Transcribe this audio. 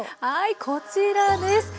こちらです。